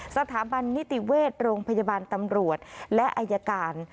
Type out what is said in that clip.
สถาบันนิติเวชโรงพยาบาลตำรวจและอายการ